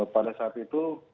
pada saat itu